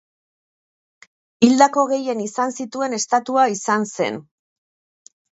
Hildako gehien izan zituen estatua izan zen.